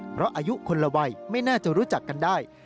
เพราะอายุคนละวัยไม่น่าจะรู้จักกันได้